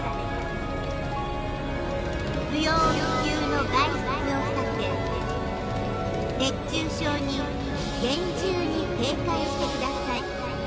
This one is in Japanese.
不要不急の外出を避け熱中症に厳重に警戒してください」。